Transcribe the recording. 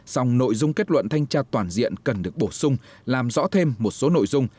song nội dung kết luận thanh tra toàn diện cần được bổ sung làm rõ thêm một số nội dung